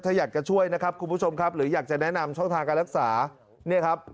ถ้าอยากจะช่วยนะครับคุณผู้ชมครับหรืออยากจะแนะนำช่องทางการรักษาเนี่ยครับ